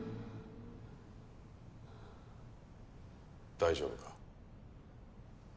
大丈夫か？